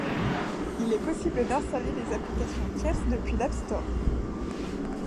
Il est possible d’installer des applications tierces depuis l’App Store.